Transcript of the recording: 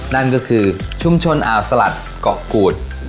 นั่นก็คือชุมชนอ่าวสลัดเกาะกูด